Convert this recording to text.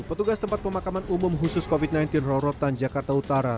petugas tempat pemakaman umum khusus covid sembilan belas rorotan jakarta utara